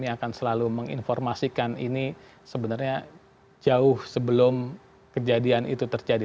yang akan selalu menginformasikan ini sebenarnya jauh sebelum kejadian itu terjadi